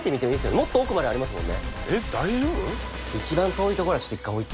もっと奥までありますもんね。